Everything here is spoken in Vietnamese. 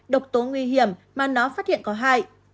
độc tố nguy hiểm mà nó phát hiện có hại